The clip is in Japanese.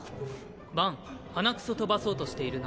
バン鼻くそ飛ばそうとしているな。